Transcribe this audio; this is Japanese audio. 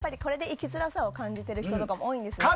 でも、これで生きづらさを感じている人も多いんです。